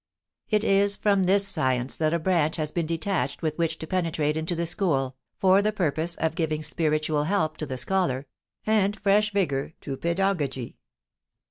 It is from this science that a branch has been detached with which to penetrate into the school, for the purpose of giving spiritual help to the scholar, and fresh vigor to pedagogy.